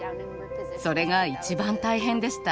それが一番大変でした。